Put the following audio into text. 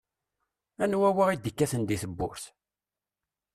Anwa wa i d-ikkaten di tewwurt?